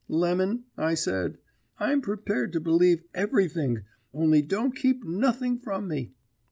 "'Lemon,' I said, 'I'm prepared to believe everything, only don't keep nothing from me.'